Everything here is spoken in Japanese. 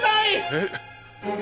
えっ？